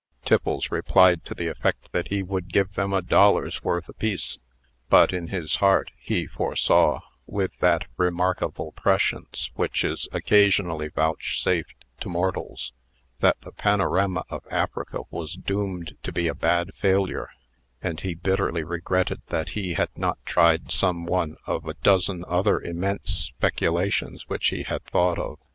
Tiffles replied to the effect that he would give them a dollar's worth apiece; but, in his heart, he foresaw, with that remarkable prescience which is occasionally vouchsafed to mortals, that the panorama of Africa was doomed to be a bad failure; and he bitterly regretted that he had not tried some one of a dozen other immense speculations which he had thought of.